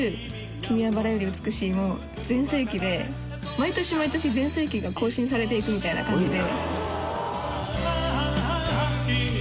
毎年毎年全盛期が更新されていくみたいな感じで。